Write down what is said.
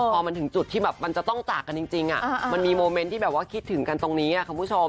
พอถึงจุดที่มันจะต้องจากกันจริงมันมีโมเมนท์ที่คิดถึงกันตรงนี้ค่ะ